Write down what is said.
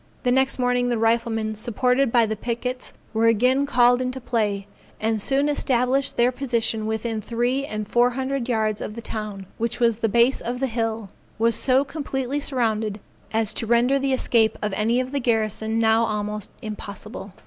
The next morning the riflemen, supported by the pickets, were again called into play, and soon established their position within three and four hundred yards of the town, which with the base of the hill, was so completely surrounded, as to render the escape of any of the garrison now almost impossible.